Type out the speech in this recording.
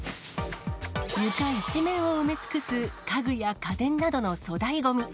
床一面を埋め尽くす家具や家電などの粗大ごみ。